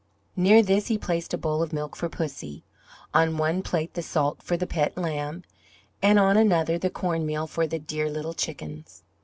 Near this he placed a bowl of milk for Pussy, on one plate the salt for the pet lamb, and on another the cornmeal for the dear little chickens.